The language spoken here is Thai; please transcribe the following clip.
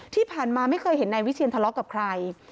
ที่ผ่านมาไม่เคยเห็นนายวิเชียนทะเลาะกับใคร